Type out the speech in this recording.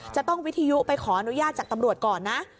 จะต้องวิทยุไปขออนุญาตจากตำรวจก่อนนะ